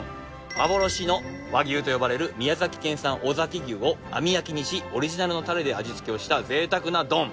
幻の和牛と呼ばれる宮崎県産尾崎牛を、網焼きにし、オリジナルのたれで味付けをしたぜいたくな丼。